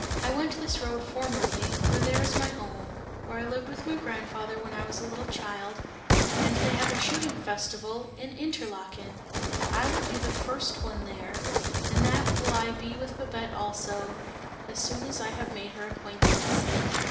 I went this road formerly, for there is my home, where I lived with my grandfather when I was a little child, and they have a shooting festival in Interlaken! I will be the first one there, and that will I be with Babette also, as soon as I have made her acquaintance!"